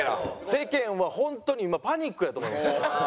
世間は本当に今パニックやと思います。